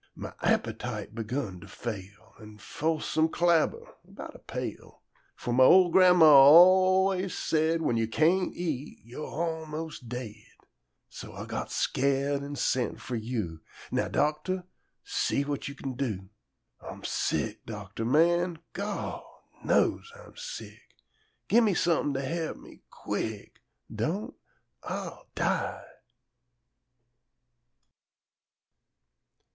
Mah appetite begun to fail; 'Ah fo'ced some clabber, about a pail, Fo' mah ol' gran'ma always said When yo' can't eat you're almost dead. So Ah got scared an' sent for you. Now, doctor, see what you c'n do. Ah'm sick, doctor man. Gawd knows Ah'm sick! Gi' me some'n' to he'p me quick, Don't, Ah'll die!